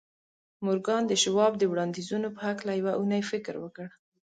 مورګان د شواب د وړاندیزونو په هکله یوه اونۍ فکر وکړ